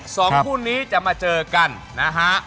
สองคู่นี้จะมาเจอกันนะฮะ